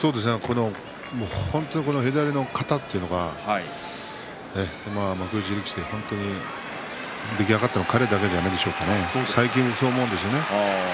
本当に左の型というのか幕内力士で出来上がったのは彼だけじゃないかと思うんですよね。